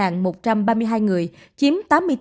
một trăm ba mươi hai người chiếm tám mươi bốn